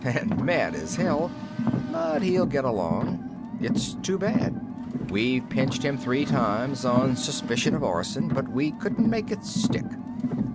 And mad as hell. But he'll get along. It's too bad. We've pinched him three times on suspicion of arson, but we couldn't make it stick.